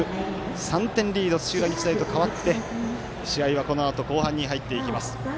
３点リード、土浦日大と変わって試合は、このあと後半に入っていきます。